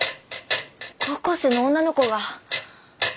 高校生の女の子が。